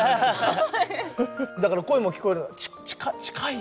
だから声も聞こえるのよ「近近い」って。